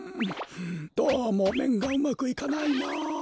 どうもめんがうまくいかないなあ。